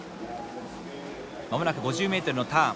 間もなく５０ｍのターン。